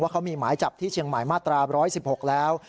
เขามีหมายจับที่เชียงใหม่มาตรา๑๑๖แล้ว